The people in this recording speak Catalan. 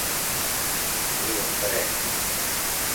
Triomfarem.